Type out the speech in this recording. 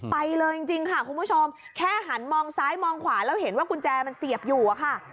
ไปเลยจริงค่ะคุณผู้ชมแค่หันมองซ้ายมองขวาแล้วเห็นว่ากุญแจมันเสียบอยู่อะค่ะ